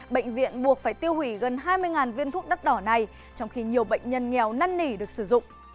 bệnh viện buộc phải tiêu hủy gần hai mươi viên thuốc đắt đỏ này trong khi nhiều bệnh nhân nghèo năn nỉ được sử dụng